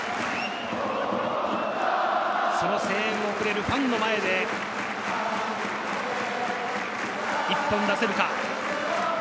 その声援をくれるファンの前で一本出せるか？